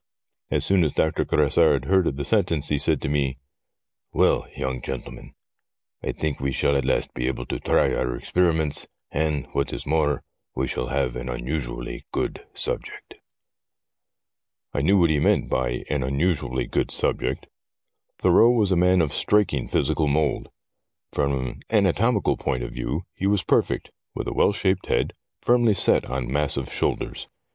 As soon as Doctor Grassard heard of the sentence, he said to me :' Well, young gentleman, I think we shall at last be able to try our experiments, and, what is more, we shall have an unusually good subject.' I knew what he meant by ' an unusually good subject.' Thurreau was a man of striking physical mould. From an anatomical point of view he was perfect, with a well shaped head, firmly set on massive shoulders.